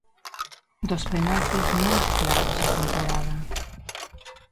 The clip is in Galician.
Dos penaltis máis claros da temporada.